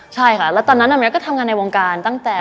ใช่ค่ะแล้วตอนนั้นแมทก็ทำงานในวงการตั้งแต่